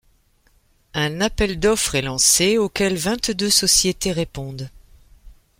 Un appel d'offres est lancé, auquel vingt-deux sociétés répondent.